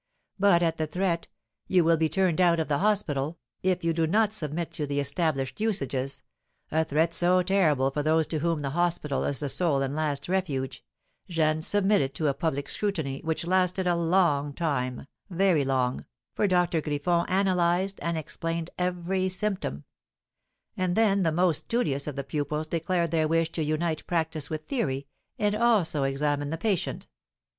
But at the threat, "You will be turned out of the hospital, if you do not submit to the established usages," a threat so terrible for those to whom the hospital is the sole and last refuge, Jeanne submitted to a public scrutiny, which lasted a long time, very long, for Doctor Griffon analysed and explained every symptom; and then the most studious of the pupils declared their wish to unite practice with theory, and also examine the patient.